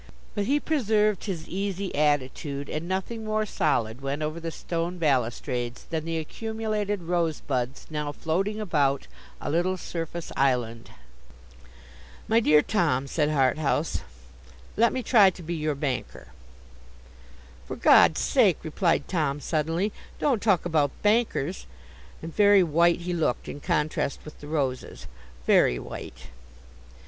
But he preserved his easy attitude; and nothing more solid went over the stone balustrades than the accumulated rosebuds now floating about, a little surface island. 'My dear Tom,' said Harthouse, 'let me try to be your banker.' 'For God's sake,' replied Tom, suddenly, 'don't talk about bankers!' And very white he looked, in contrast with the roses. Very white.